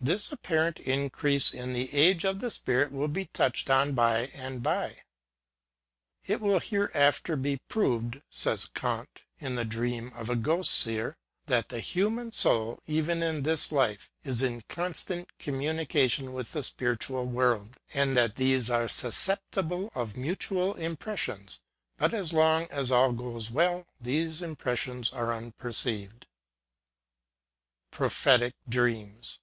This apparent increase in the age of the spirit will be touched on by and by. ^' It will hereafter be proved/' says Kant, in the dream of a ghost seer, '^ that the human soul, even in this life, is in con stant communication with the spiritual world, and that these are susceptible of mutual impressions; but, as long as all goes well, these impressions are unperceived !" PROPHETIC DREAMS.